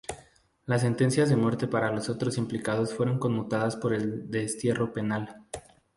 Las sentencias de muerte para los otros implicados fueron conmutadas por el destierro penal.